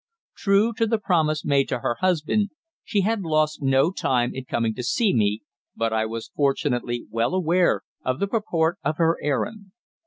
True to the promise made to her husband, she had lost no time in coming to see me, but I was fortunately well aware of the purport of her errand.